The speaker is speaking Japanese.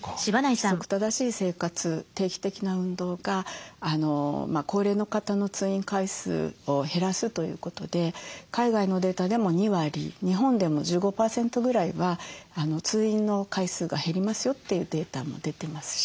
規則正しい生活定期的な運動が高齢の方の通院回数を減らすということで海外のデータでも２割日本でも１５％ぐらいは通院の回数が減りますよというデータも出てますし。